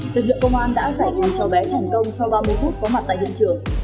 tư vực công an đã giải quyết cho bé thành công sau ba mươi phút có mặt tại hiện trường